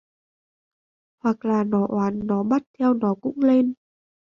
hoặc là nó oán nó bắt theo nó cũng lên